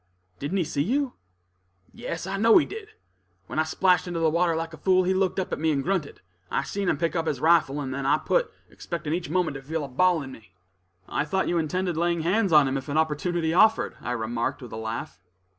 "Didn't he see you?" "Yes, I know he did. When I splashed into the water like a fool, he looked up at me and grunted; I seen him pick up his rifle, and then I put, expecting each moment to feel a ball in me." "I thought you intended laying hands on him if an opportunity offered," I remarked, with a laugh.